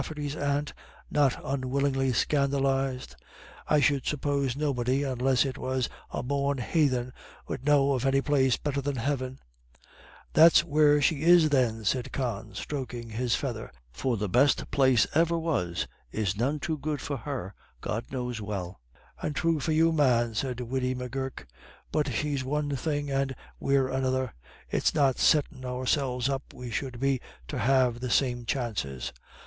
"Heard you ever the like of that?" said Ody Rafferty's aunt, not unwillingly scandalised, "I should suppose nobody, unless it was a born haythen, 'ud know of any place better than Heaven." "That's where she is then," said Con, stroking his feather. "For the best place ever was is none too good for her, God knows well." "And thrue for you, man," said the Widdy M'Gurk. "But she's one thing, and we're another. It's not settin' ourselves up we should be to have the same chances."